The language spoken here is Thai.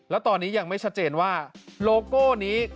แล้วตอนนี้ยังไม่ชัดเจนว่าโลโก้นี้